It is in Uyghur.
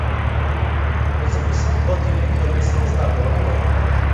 قىزىقمىسىڭىز بۇ تېمىنى كۆرمىسىڭىزلا بولىدىغۇ؟ !